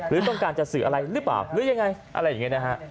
หรือต้องการจะสื่ออะไรหรือเปล่าหรือยังไงอะไรอย่างนี้นะฮะ